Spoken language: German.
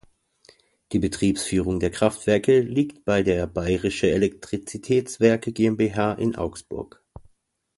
Die Betriebsführung der Kraftwerke liegt bei der Bayerische Elektrizitätswerke GmbH in Augsburg.